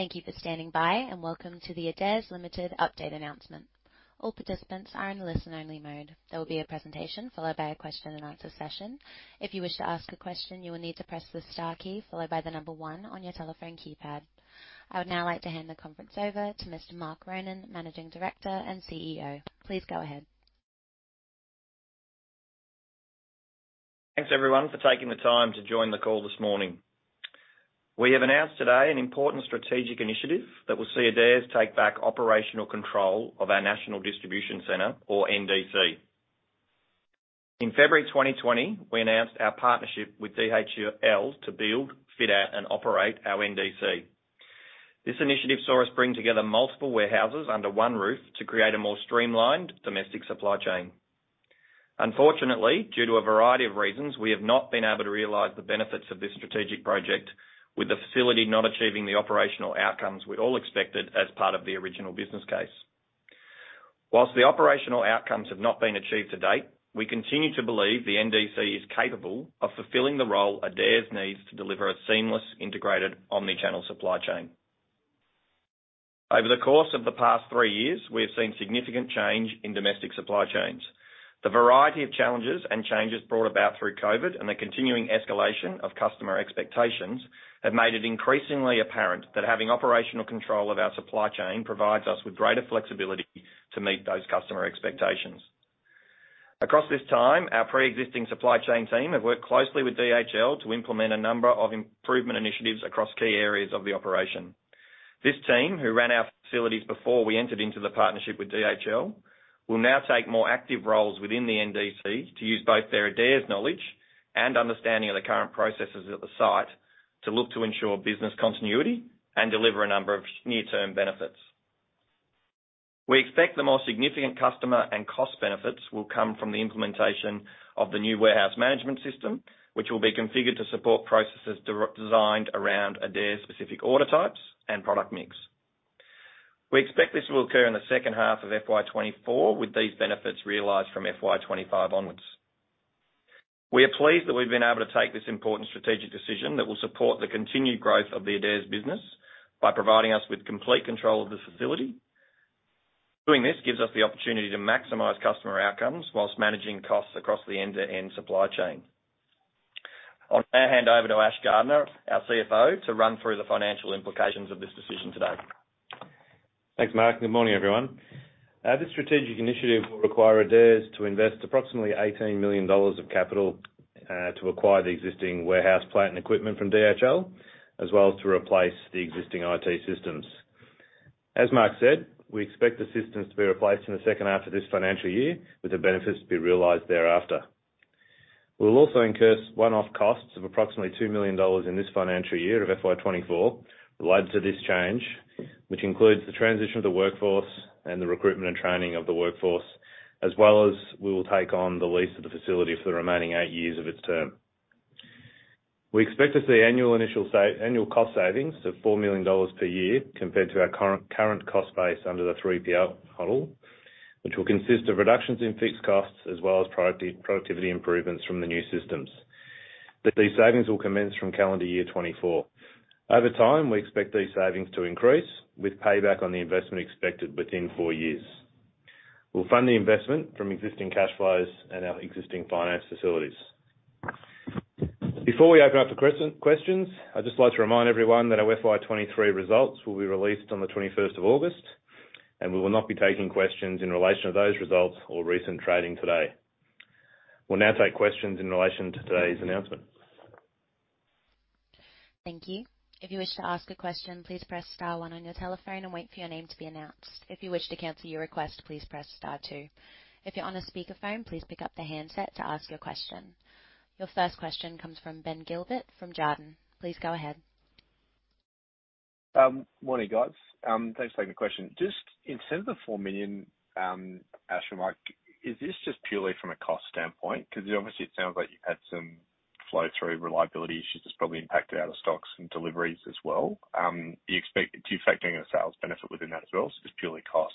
Thank you for standing by, and welcome to the Adairs Limited update announcement. All participants are in listen-only mode. There will be a presentation followed by a question and answer session. If you wish to ask a question, you will need to press the star key followed by the number one on your telephone keypad. I would now like to hand the conference over to Mr. Mark Ronan, Managing Director and CEO. Please go ahead. Thanks, everyone, for taking the time to join the call this morning. We have announced today an important strategic initiative that will see Adairs take back operational control of our national distribution center or NDC. In February 2020, we announced our partnership with DHL to build, fit out, and operate our NDC. This initiative saw us bring together multiple warehouses under one roof to create a more streamlined domestic supply chain. Unfortunately, due to a variety of reasons, we have not been able to realize the benefits of this strategic project, with the facility not achieving the operational outcomes we all expected as part of the original business case. Whilst the operational outcomes have not been achieved to date, we continue to believe the NDC is capable of fulfilling the role Adairs needs to deliver a seamless, integrated, omnichannel supply chain. Over the course of the past three years, we have seen significant change in domestic supply chains. The variety of challenges and changes brought about through COVID and the continuing escalation of customer expectations, have made it increasingly apparent that having operational control of our supply chain provides us with greater flexibility to meet those customer expectations. Across this time, our pre-existing supply chain team have worked closely with DHL to implement a number of improvement initiatives across key areas of the operation. This team, who ran our facilities before we entered into the partnership with DHL, will now take more active roles within the NDC to use both their Adairs knowledge and understanding of the current processes at the site, to look to ensure business continuity and deliver a number of near-term benefits. We expect the more significant customer and cost benefits will come from the implementation of the new warehouse management system, which will be configured to support processes designed around Adairs' specific order types and product mix. We expect this will occur in the second half of FY24, with these benefits realized from FY25 onwards. We are pleased that we've been able to take this important strategic decision that will support the continued growth of the Adairs business by providing us with complete control of the facility. Doing this gives us the opportunity to maximize customer outcomes whilst managing costs across the end-to-end supply chain. I'll now hand over to Ash Gardner, our CFO, to run through the financial implications of this decision today. Thanks, Mark. Good morning, everyone. This strategic initiative will require Adairs to invest approximately 18 million dollars of capital to acquire the existing warehouse plant and equipment from DHL, as well as to replace the existing IT systems. As Mark said, we expect the systems to be replaced in the second half of this financial year, with the benefits to be realized thereafter. We'll also incur one-off costs of approximately 2 million dollars in this financial year of FY24, related to this change, which includes the transition of the workforce and the recruitment and training of the workforce, as well as we will take on the lease of the facility for the remaining eight years of its term. We expect to see annual initial annual cost savings of 4 million dollars per year compared to our current, current cost base under the 3PL model, which will consist of reductions in fixed costs as well as productivity improvements from the new systems. These savings will commence from calendar year 2024. Over time, we expect these savings to increase, with payback on the investment expected within four years. We'll fund the investment from existing cash flows and our existing finance facilities. Before we open up for questions, I'd just like to remind everyone that our FY23 results will be released on the 21st of August, and we will not be taking questions in relation to those results or recent trading today. We'll now take questions in relation to today's announcement. Thank you. If you wish to ask a question, please press star one on your telephone and wait for your name to be announced. If you wish to cancel your request, please press star two. If you're on a speakerphone, please pick up the handset to ask your question. Your first question comes from Ben Gilbert, from Jarden. Please go ahead. Morning, guys. Thanks for taking the question. Just in terms of the 4 million, Ash and Mark, is this just purely from a cost standpoint? Obviously it sounds like you've had some flow-through reliability issues that's probably impacted out of stocks and deliveries as well. Do you expect any sales benefit within that as well, or is this purely cost?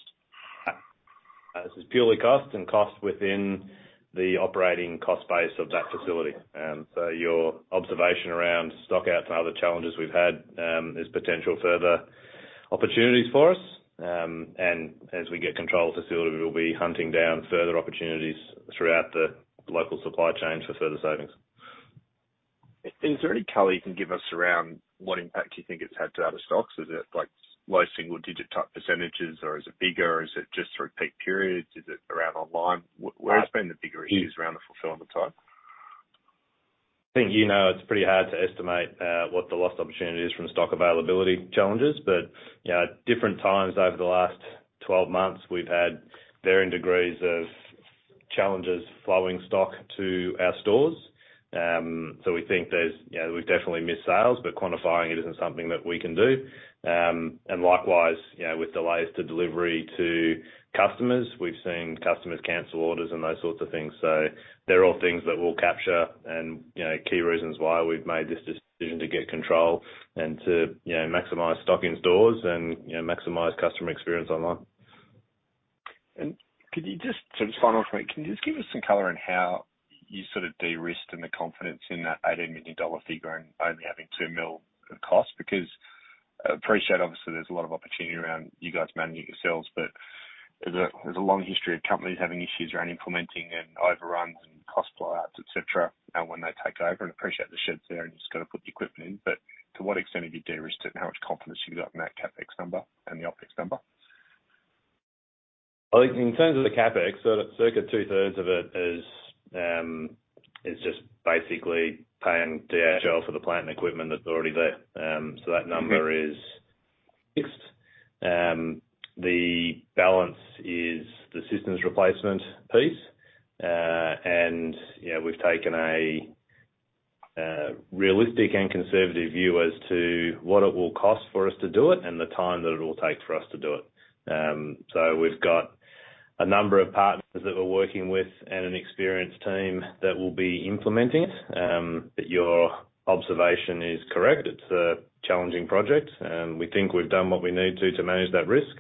This is purely cost, cost within the operating cost base of that facility. Your observation around stockouts and other challenges we've had is potential further opportunities for us. As we get control of the facility, we will be hunting down further opportunities throughout the local supply chain for further savings. Is there any color you can give us around what impact you think it's had to out of stocks? Is it like low single digit type %, or is it bigger? Is it just through peak periods? Is it around online? Where has been the bigger issues around the fulfillment side? I think you know, it's pretty hard to estimate what the lost opportunity is from stock availability challenges, you know, at different times over the last 12 months, we've had varying degrees of challenges flowing stock to our stores. We think there's... You know, we've definitely missed sales, quantifying it isn't something that we can do. Likewise, you know, with delays to delivery to customers, we've seen customers cancel orders and those sorts of things. They're all things that we'll capture and, you know, key reasons why we've made this decision to get control and to, you know, maximize stock in stores and, you know, maximize customer experience online. Could you just, final point, can you just give us some color on how you sort of de-risked and the confidence in that AUD 80 million figure and only having 2 million in cost? Because I appreciate, obviously, there's a lot of opportunity around you guys managing it yourselves, but there's a, there's a long history of companies having issues around implementing and overruns and cost blowouts, et cetera, when they take over. Appreciate the shed's there, and you just got to put the equipment in, but to what extent have you de-risked it, and how much confidence you got in that CapEx number and the OpEx number? I think in terms of the CapEx, circa two-thirds of it is just basically paying DHL for the plant and equipment that's already there. That number is fixed. The balance is the systems replacement piece. You know, we've taken a realistic and conservative view as to what it will cost for us to do it and the time that it will take for us to do it. We've got a number of partners that we're working with and an experienced team that will be implementing it. Your observation is correct. It's a challenging project, and we think we've done what we need to, to manage that risk.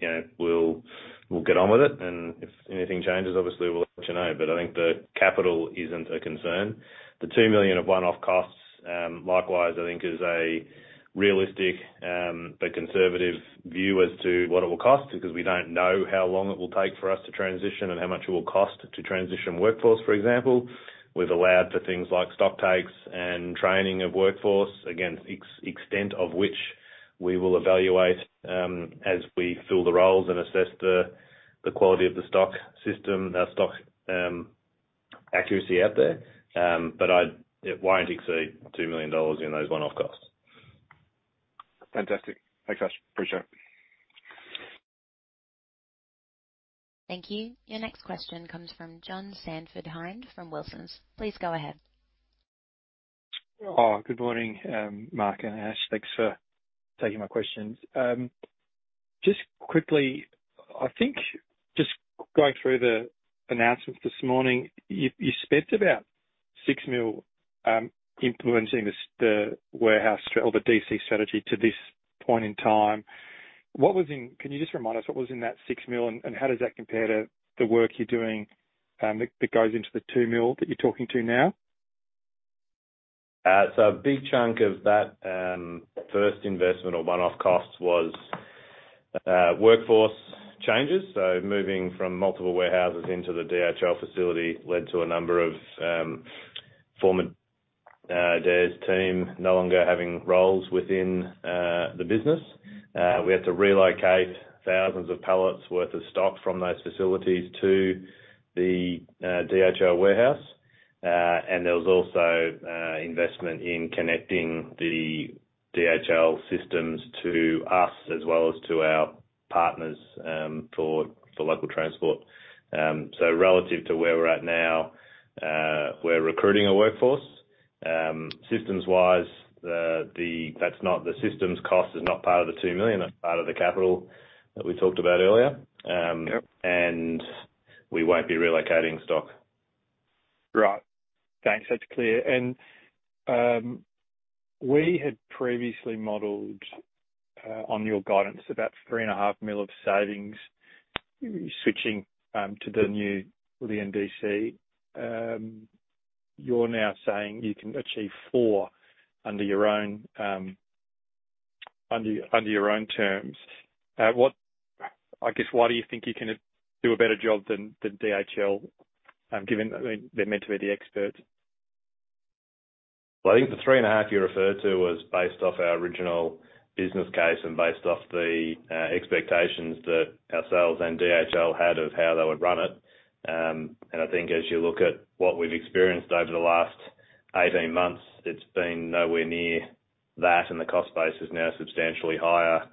You know, we'll, we'll get on with it, and if anything changes, obviously we'll let you know. I think the capital isn't a concern. The $2 million of one-off costs, likewise, I think is a realistic, but conservative view as to what it will cost, because we don't know how long it will take for us to transition and how much it will cost to transition workforce, for example. We've allowed for things like stock takes and training of workforce, again, extent of which we will evaluate, as we fill the roles and assess the, the quality of the stock system, our stock, accuracy out there. It won't exceed $2 million in those one-off costs. Fantastic. Thanks, Ash. Appreciate it. Thank you. Your next question comes from John Hynd, from Wilsons. Please go ahead. Oh, good morning, Mark and Ash. Thanks for taking my questions. Just quickly, I think just going through the announcement this morning, you, you spent about 6 million implementing this, the warehouse or the DC strategy to this point in time. Can you just remind us what was in that 6 million, and how does that compare to the work you're doing that, that goes into the 2 million that you're talking to now? A big chunk of that, first investment or one-off costs was workforce changes. Moving from multiple warehouses into the DHL facility led to a number of former Adairs team no longer having roles within the business. We had to relocate thousands of pallets worth of stock from those facilities to the DHL warehouse. There was also investment in connecting the DHL systems to us, as well as to our partners, for local transport. Relative to where we're at now, we're recruiting a workforce. Systems-wise, the systems cost is not part of the $2 million, that's part of the capital that we talked about earlier. Yep. We won't be relocating stock. Right. Thanks, that's clear. We had previously modeled, on your guidance, about 3.5 million of savings, switching, to the new, the NDC. You're now saying you can achieve 4 million under your own, under, under your own terms. What-- I guess, why do you think you can do a better job than the DHL, given that they're meant to be the experts? Well, I think the 3.5 million you referred to was based off our original business case and based off the expectations that ourselves and DHL had of how they would run it. I think as you look at what we've experienced over the last 18 months, it's been nowhere near that, and the cost base is now substantially higher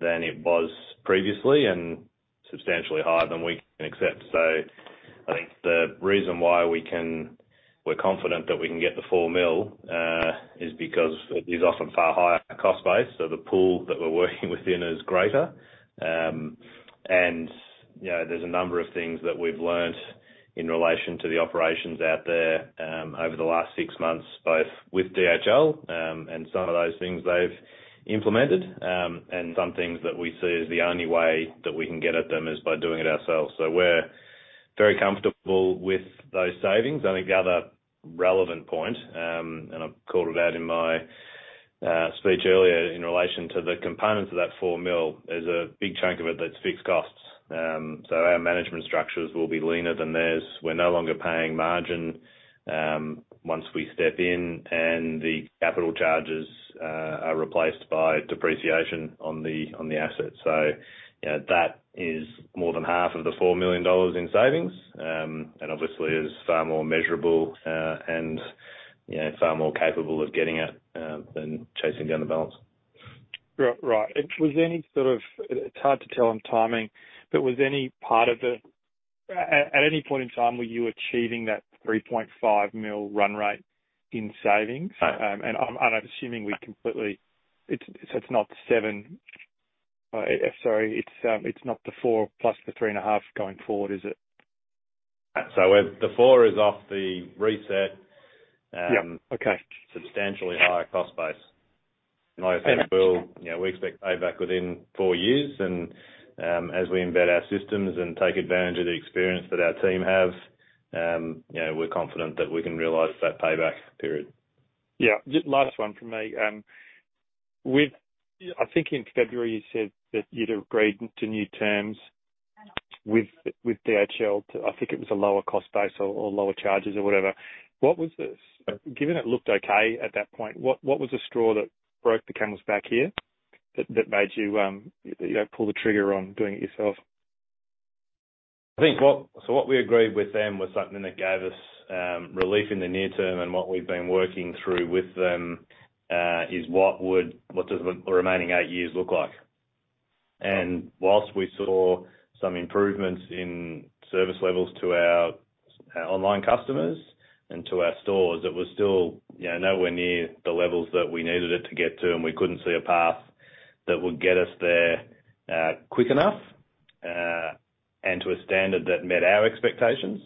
than it was previously and substantially higher than we can accept. I think the reason why we're confident that we can get the 4 million is because it is off a far higher cost base, so the pool that we're working within is greater. You know, there's a number of things that we've learnt in relation to the operations out there, over the last 6 months, both with DHL, and some of those things they've implemented, and some things that we see as the only way that we can get at them is by doing it ourselves. We're very comfortable with those savings. I think the other relevant point, I've called it out in my speech earlier, in relation to the components of that 4 million, there's a big chunk of it that's fixed costs. Our management structures will be leaner than theirs. We're no longer paying margin, once we step in, and the capital charges are replaced by depreciation on the asset. You know, that is more than half of the 4 million dollars in savings, and obviously is far more measurable, and, you know, far more capable of getting it, than chasing down the balance. Right. Was there any sort of... It's hard to tell on timing, but was any part of at any point in time, were you achieving that 3.5 million run rate in savings? And I'm, and I'm assuming we completely... It's, so it's not 7. Sorry, it's, it's not the 4 plus the 3.5 going forward, is it? We're the four is off the reset. Yeah. Okay. Substantially higher cost base. I think we'll, you know, we expect payback within four years, as we embed our systems and take advantage of the experience that our team have, you know, we're confident that we can realize that payback period. Yeah. Last one from me. I think in February, you said that you'd agreed to new terms with DHL to, I think it was a lower cost base or, or lower charges or whatever. What was this? Given it looked okay at that point, what, what was the straw that broke the camel's back here, that, that made you, you know, pull the trigger on doing it yourself? I think what we agreed with them was something that gave us relief in the near term, and what we've been working through with them is what does the remaining eight years look like? Whilst we saw some improvements in service levels to our, our online customers and to our stores, it was still, you know, nowhere near the levels that we needed it to get to, and we couldn't see a path that would get us there quick enough and to a standard that met our expectations.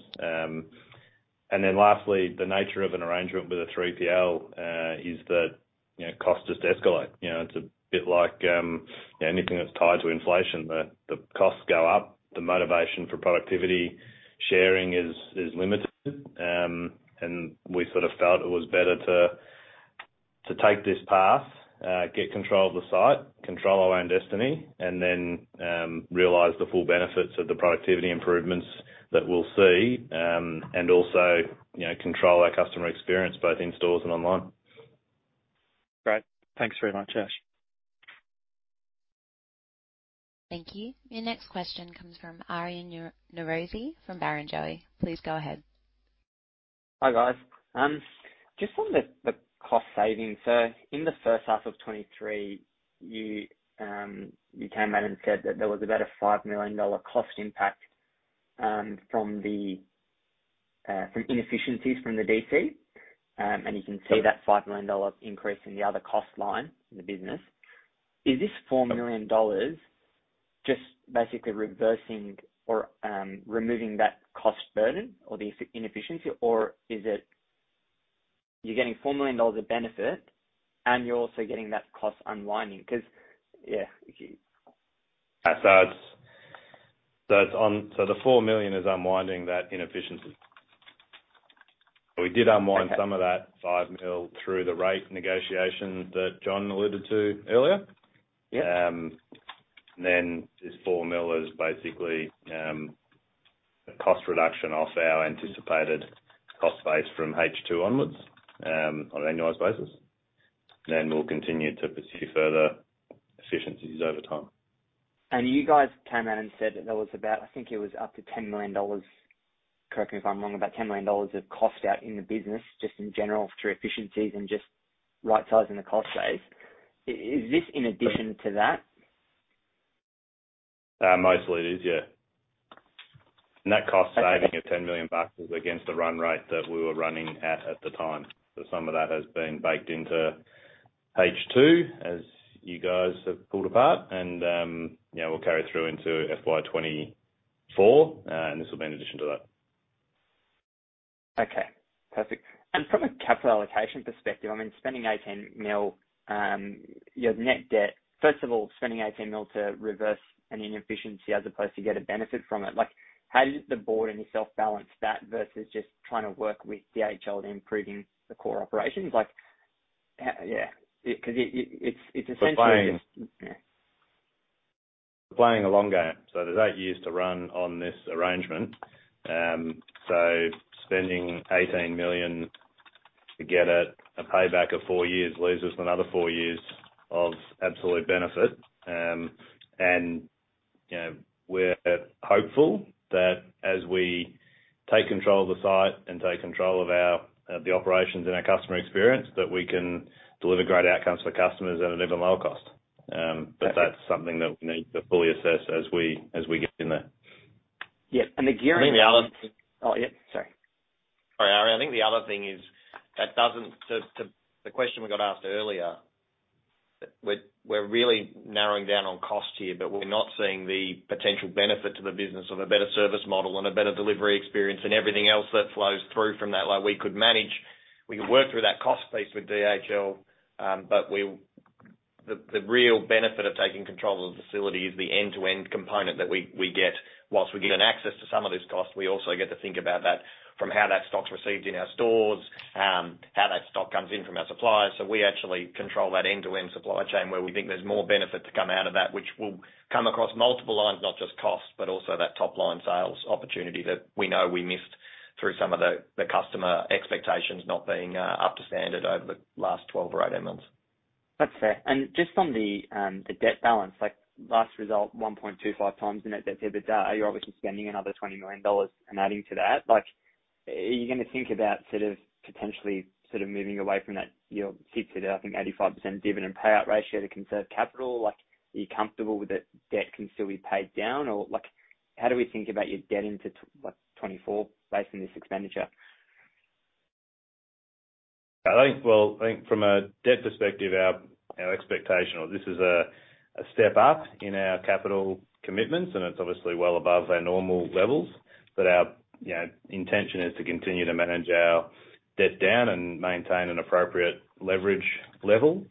Then lastly, the nature of an arrangement with a 3PL is that, you know, costs just escalate. You know, it's a bit like anything that's tied to inflation. The, the costs go up, the motivation for productivity sharing is, is limited. We sort of felt it was better to take this path, get control of the site, control our own destiny, and then realize the full benefits of the productivity improvements that we'll see, and also, you know, control our customer experience, both in stores and online. Great. Thanks very much, Ash. Thank you. Your next question comes from Aryan Norozi, from Barrenjoey. Please go ahead. Hi, guys. Just on the, the cost savings. In the first half of FY23, you, you came out and said that there was about a $5 million cost impact from the inefficiencies from the DC. You can see that $5 million increase in the other cost line in the business. Is this $4 million just basically reversing or removing that cost burden or the inefficiency? Is it you're getting $4 million of benefit, and you're also getting that cost unwinding? 'Cause, yeah, The $4 million is unwinding that inefficiency. We did unwind. Okay. Some of that 5 million through the rate negotiation that John alluded to earlier. Yeah. This 4 million is basically a cost reduction off our anticipated cost base from H2 onwards, on an annualized basis. We'll continue to pursue further efficiencies over time. You guys came out and said that there was about, I think it was up to $10 million, correct me if I'm wrong, about $10 million of cost out in the business, just in general, through efficiencies and just right-sizing the cost base. Is this in addition to that? Mostly it is, yeah. That cost saving- Okay... of 10 million bucks is against the run rate that we were running at, at the time. Some of that has been baked into H2, as you guys have pulled apart and, you know, will carry through into FY24, and this will be in addition to that. Okay, perfect. From a capital allocation perspective, I mean, spending 18 million, your net debt... First of all, spending 18 million to reverse an inefficiency as opposed to get a benefit from it, like, how did the board and yourself balance that versus just trying to work with DHL and improving the core operations? Like, yeah, 'cause it, it's, it's essentially... We're Yeah. We're playing a long game. There's eight years to run on this arrangement. Spending 18 million to get a payback of four years, leaves us another four years of absolute benefit. You know, we're hopeful that as we take control of the site and take control of our, of the operations and our customer experience, that we can deliver great outcomes for customers at an even lower cost. That's something that we need to fully assess as we, as we get in there. Yeah, the gearing. I think the other- Oh, yeah. Sorry. Sorry, Arian. I think the other thing is, that doesn't... To, to the question we got asked earlier, we're, we're really narrowing down on cost here, but we're not seeing the potential benefit to the business of a better service model and a better delivery experience and everything else that flows through from that. We could manage, we could work through that cost piece with DHL. The, the real benefit of taking control of the facility is the end-to-end component that we, we get. Whilst we get an access to some of these costs, we also get to think about that from how that stock's received in our stores, how that stock comes in from our suppliers. We actually control that end-to-end supply chain, where we think there's more benefit to come out of that, which will come across multiple lines, not just costs, but also that top-line sales opportunity that we know we missed through some of the, the customer expectations not being up to standard over the last 12 or 18 months. That's fair. Just on the, the debt balance, like last result, 1.25 times net debt to EBITDA. You're obviously spending another 20 million dollars and adding to that. Like, are you gonna think about sort of potentially sort of moving away from that, your stated, I think, 85% dividend payout ratio to conserve capital? Like, are you comfortable with the debt can still be paid down? Like, how do we think about your debt into like 2024 based on this expenditure?... I think, well, I think from a debt perspective, our, our expectation, or this is a, a step up in our capital commitments, and it's obviously well above our normal levels. Our, you know, intention is to continue to manage our debt down and maintain an appropriate leverage level.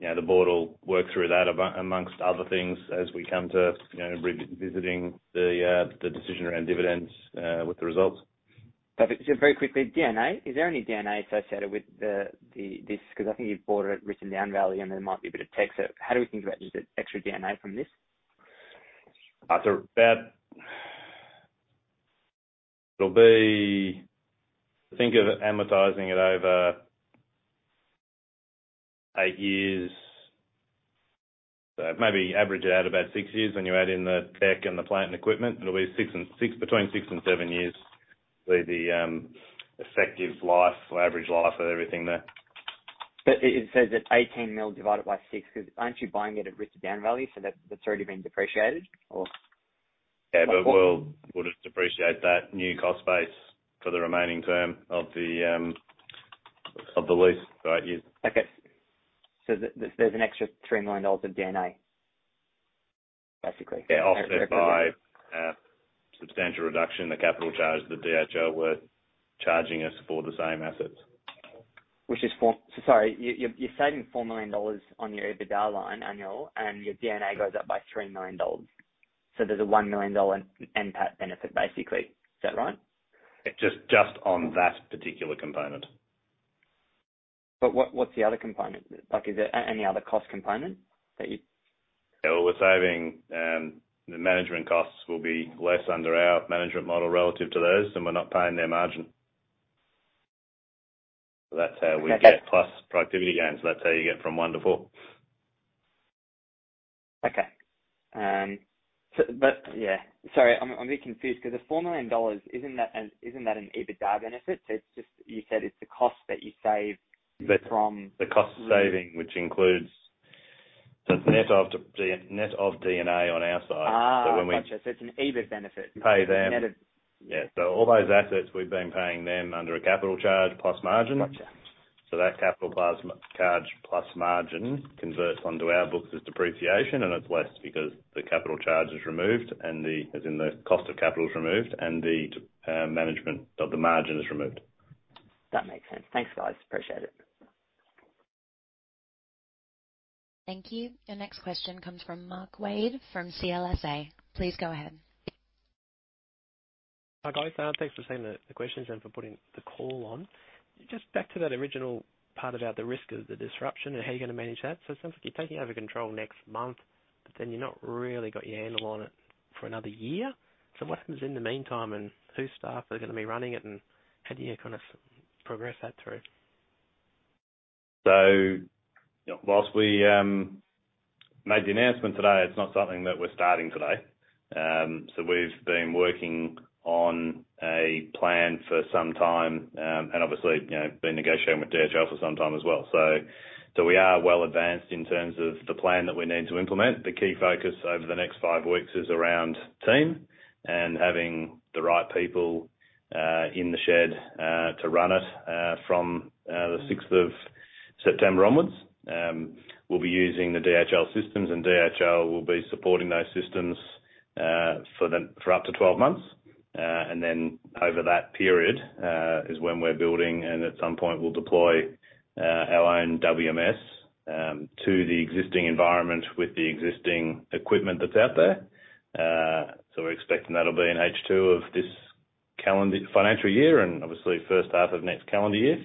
You know, the board will work through that amongst other things, as we come to, you know, re-visiting the decision around dividends with the results. Perfect. Just very quickly, D&A. Is there any D&A associated with the, this? I think you've bought it at written down value, and there might be a bit of tech. How do we think about just the extra D&A from this? About it'll be... Think of amortizing it over eight years. Maybe average it out about six years when you add in the tech and the plant and equipment, it'll be six and six, between six and seven years will be the effective life or average life of everything there. It, it says that 18 million divided by 6, 'cause aren't you buying it at risk down value? That, that's already been depreciated or-. Yeah, we'll just depreciate that new cost base for the remaining term of the, of the lease for eight years. Okay. There's an extra 3 million dollars of D&A, basically? Yeah, offset by a substantial reduction in the capital charge that DHL were charging us for the same assets. Which is sorry, you, you're, you're saving 4 million dollars on your EBITDA line annual, and your D&A goes up by 3 million dollars. There's a 1 million dollar NPAT benefit, basically. Is that right? Just, just on that particular component. What, what's the other component? Like, is there any other cost component that you- Yeah, we're saving, the management costs will be less under our management model relative to theirs, and we're not paying their margin. That's how we get. Okay. plus productivity gains. That's how you get from one to four. Okay. Yeah. Sorry, I'm a bit confused because the $4 million, isn't that an EBITDA benefit? It's just, you said it's the cost that you save from- The cost saving, which includes the net of net of D&A on our side. Ah! So when we- Gotcha. It's an EBIT benefit. Pay them- Net of- Yeah. All those assets we've been paying them under a capital charge plus margin. Gotcha. That capital plus charge, plus margin converts onto our books as depreciation, and it's less because the capital charge is removed and the management of the margin is removed. That makes sense. Thanks, guys. Appreciate it. Thank you. Your next question comes from Mark Wade, from CLSA. Please go ahead. Hi, guys, thanks for sending the, the questions and for putting the call on. Back to that original part about the risk of the disruption and how you're going to manage that. It sounds like you're taking over control next month, but then you're not really got your handle on it for another year. What happens in the meantime, and whose staff are going to be running it, and how do you kind of progress that through? Whilst we made the announcement today, it's not something that we're starting today. We've been working on a plan for some time, and obviously, you know, been negotiating with DHL for some time as well. We are well advanced in terms of the plan that we need to implement. The key focus over the next five weeks is around team and having the right people in the shed to run it from the 6th of September onwards. We'll be using the DHL systems, and DHL will be supporting those systems for the, for up to 12 months. Then over that period is when we're building, and at some point we'll deploy our own WMS to the existing environment with the existing equipment that's out there. We're expecting that'll be in H2 of this financial year and obviously first half of next calendar year.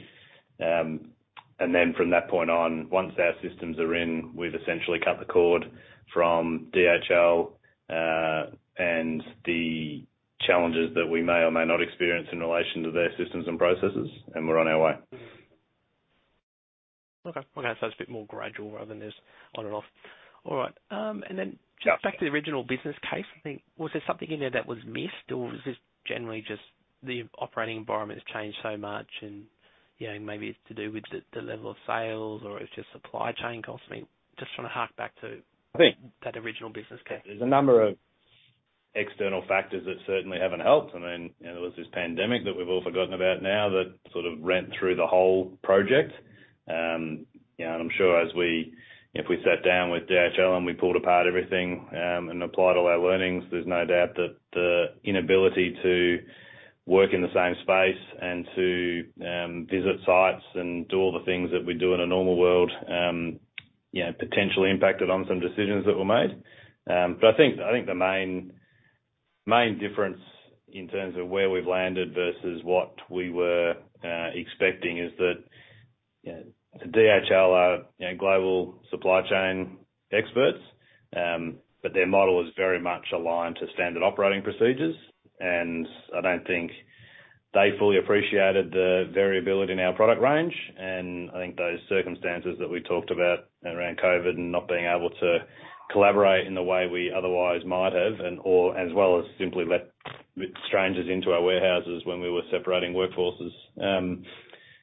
Then from that point on, once our systems are in, we've essentially cut the cord from DHL, and the challenges that we may or may not experience in relation to their systems and processes, and we're on our way. Okay. Okay, so it's a bit more gradual rather than just on and off. All right, then- Yeah... just back to the original business case, I think. Was there something in there that was missed, or is this generally just the operating environment has changed so much and, you know, maybe it's to do with the, the level of sales or it's just supply chain costs? I mean, just trying to hark back to- I think- that original business case. There's a number of external factors that certainly haven't helped. I mean, you know, there was this pandemic that we've all forgotten about now that sort of ran through the whole project. You know, and I'm sure if we sat down with DHL and we pulled apart everything, and applied all our learnings, there's no doubt that the inability to work in the same space and to visit sites and do all the things that we do in a normal world, you know, potentially impacted on some decisions that were made. I think, I think the main, main difference in terms of where we've landed versus what we were expecting, is that, you know, DHL are, you know, global supply chain experts, but their model is very much aligned to standard operating procedures. I don't think they fully appreciated the variability in our product range. I think those circumstances that we talked about around Covid and not being able to collaborate in the way we otherwise might have and or, as well as simply let strangers into our warehouses when we were separating workforces.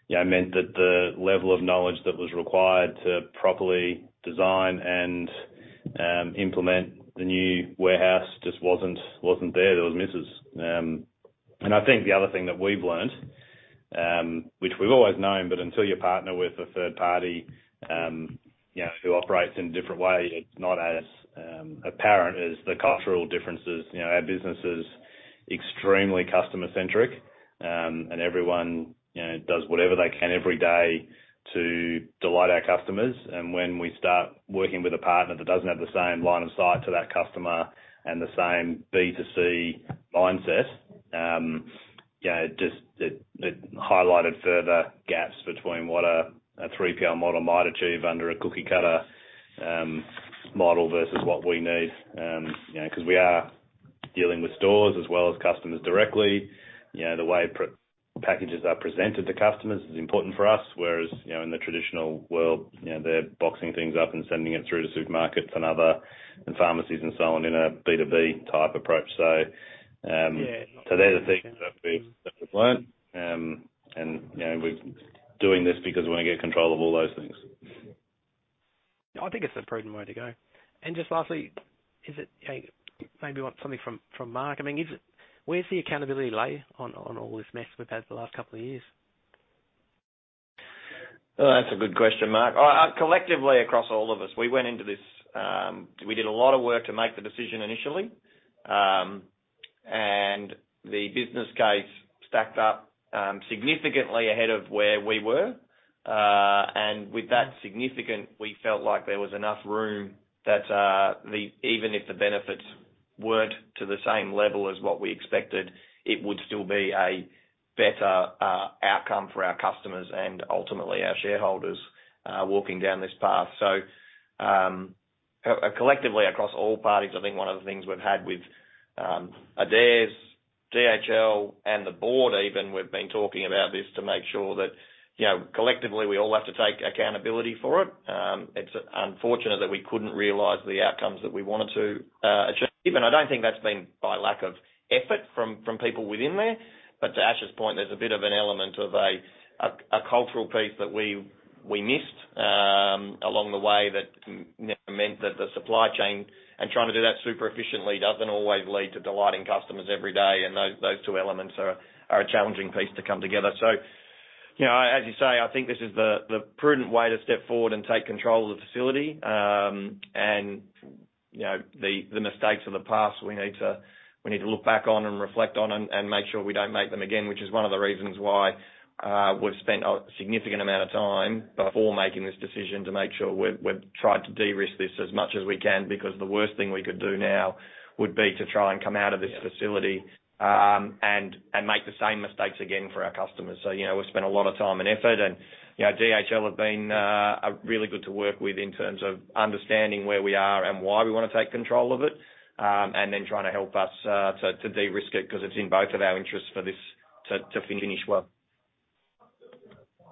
Yeah, meant that the level of knowledge that was required to properly design and implement the new warehouse just wasn't, wasn't there. There was misses. I think the other thing that we've learned, which we've always known, but until you partner with a third party, you know, who operates in a different way, it's not as apparent as the cultural differences. You know, our business is extremely customer-centric, and everyone, you know, does whatever they can every day to delight our customers. When we start working with a partner that doesn't have the same line of sight to that customer and the same B2C mindset, you know, just it, it highlighted further gaps between what a 3PL model might achieve under a cookie-cutter model versus what we need. You know, 'cause we are dealing with stores as well as customers directly. You know, the way packages are presented to customers is important for us, whereas, you know, in the traditional world, you know, they're boxing things up and sending it through to supermarkets and other, and pharmacies and so on, in a B2B type approach. Yeah. They're the things that we've, we've learned. You know, we're doing this because we want to get control of all those things. I think it's a prudent way to go. Just lastly, is it, maybe want something from, from Mark? I mean, where does the accountability lay on, on all this mess we've had the last couple of years? Well, that's a good question, Mark. Collectively, across all of us, we went into this. We did a lot of work to make the decision initially. The business case stacked up significantly ahead of where we were. With that significant, we felt like there was enough room that even if the benefits weren't to the same level as what we expected, it would still be a better outcome for our customers and ultimately our shareholders walking down this path. Collectively, across all parties, I think one of the things we've had with Adairs, DHL, and the board even, we've been talking about this to make sure that, you know, collectively, we all have to take accountability for it. It's unfortunate that we couldn't realize the outcomes that we wanted to achieve, and I don't think that's been by lack of effort from, from people within there. To Ash's point, there's a bit of an element of a, a, a cultural piece that we, we missed along the way, that m- meant that the supply chain and trying to do that super efficiently doesn't always lead to delighting customers every day, and those, those two elements are, are a challenging piece to come together. You know, as you say, I think this is the, the prudent way to step forward and take control of the facility. You know, the, the mistakes of the past, we need to, we need to look back on and reflect on, and, and make sure we don't make them again, which is one of the reasons why, we've spent a significant amount of time before making this decision, to make sure we've, we've tried to de-risk this as much as we can, because the worst thing we could do now would be to try and come out of this facility, and, and make the same mistakes again for our customers. You know, we've spent a lot of time and effort, and, you know, DHL have been, really good to work with in terms of understanding where we are and why we wanna take control of it. Then trying to help us to, to de-risk it, 'cause it's in both of our interests for this to, to finish well.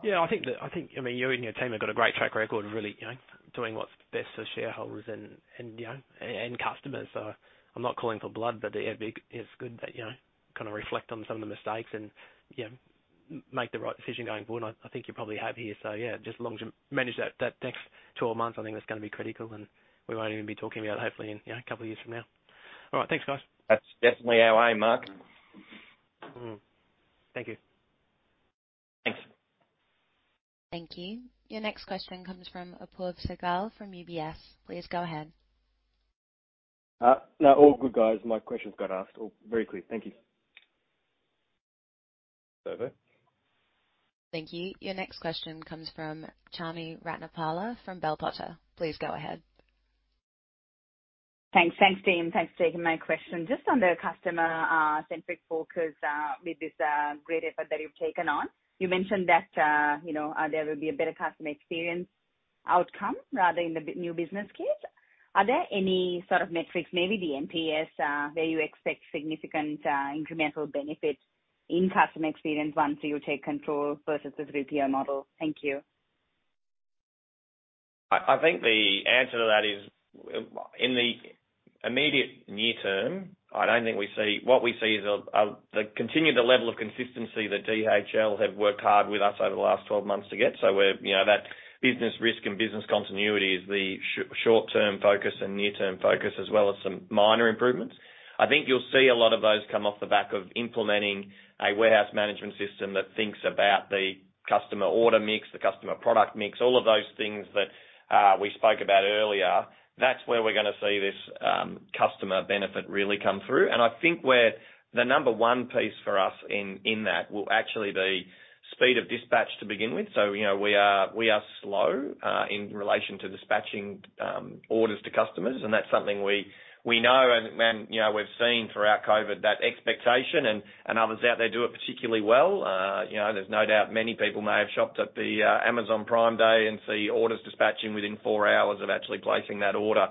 Yeah, I think I think, I mean, you and your team have got a great track record of really, you know, doing what's best for shareholders and, and, you know, and customers. I'm not calling for blood, but it's good that, you know, kind of reflect on some of the mistakes and, you know, make the right decision going forward. I, I think you probably have here. Yeah, just long-term. Manage that, that next 12 months, I think that's gonna be critical, and we won't even be talking about it, hopefully in, you know, a couple years from now. All right. Thanks, guys. That's definitely our aim, Mark. Mm-hmm. Thank you. Thanks. Thank you. Your next question comes from Apoorv Sehgal from UBS. Please go ahead. No, all good, guys. My questions got asked. All very clear. Thank you. Thank you. Your next question comes from Chami Ratnapala from Bell Potter. Please go ahead. Thanks. Thanks, team. Thanks for taking my question. Just on the customer centric focus with this great effort that you've taken on. You mentioned that, you know, there will be a better customer experience outcome rather in the new business case. Are there any sort of metrics, maybe the NPS, where you expect significant incremental benefits in customer experience once you take control versus the 3PL model? Thank you. I, I think the answer to that is, in the immediate near term, I don't think we see what we see is a continued level of consistency that DHL have worked hard with us over the last 12 months to get. So we're, you know, that business risk and business continuity is the short-term focus and near-term focus, as well as some minor improvements. I think you'll see a lot of those come off the back of implementing a warehouse management system that thinks about the customer order mix, the customer product mix, all of those things that we spoke about earlier. That's where we're gonna see this customer benefit really come through. And I think where the number one piece for us in, in that will actually be speed of dispatch to begin with. You know, we are, we are slow, in relation to dispatching, orders to customers, and that's something we, we know and, and you know, we've seen throughout COVID that expectation and, and others out there do it particularly well. You know, there's no doubt many people may have shopped at the Amazon Prime Day and see orders dispatching within four hours of actually placing that order.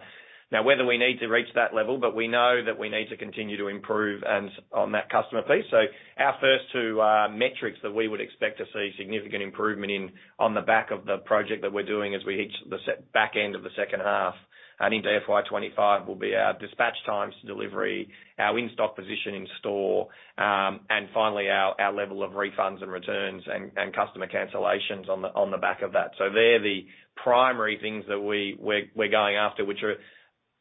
Now, whether we need to reach that level, but we know that we need to continue to improve and, on that customer piece. Our first two metrics that we would expect to see significant improvement in, on the back of the project that we're doing as we hit the se- back end of the second half and into FY25, will be our dispatch times, delivery, our in-stock position in store, and finally, our, our level of refunds and returns and, and customer cancellations on the, on the back of that. They're the primary things that we- we're, we're going after, which are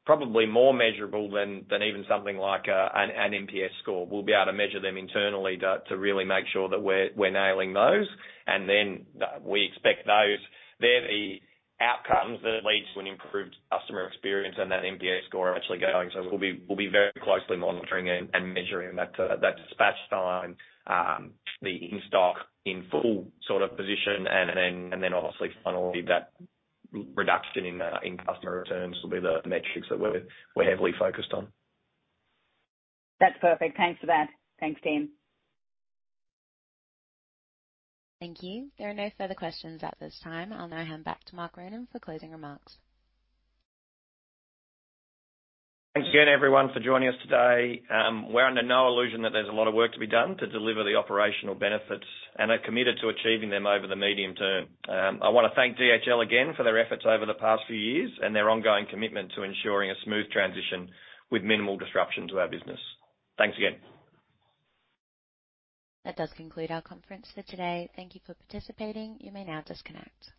probably more measurable than, than even something like an NPS score. We'll be able to measure them internally to, to really make sure that we're, we're nailing those, then we expect those, They're the outcomes that lead to an improved customer experience, and that NPS score actually going. We'll be, we'll be very closely monitoring and, and measuring that, that dispatch time, the in-stock, in-full sort of position and then, and then obviously finally, that reduction in, in customer returns will be the metrics that we're, we're heavily focused on. That's perfect. Thanks for that. Thanks, team. Thank you. There are no further questions at this time. I'll now hand back to Mark Ronan for closing remarks. Thanks again, everyone, for joining us today. We're under no illusion that there's a lot of work to be done to deliver the operational benefits and are committed to achieving them over the medium term. I wanna thank DHL again for their efforts over the past few years and their ongoing commitment to ensuring a smooth transition with minimal disruption to our business. Thanks again. That does conclude our conference for today. Thank you for participating. You may now disconnect.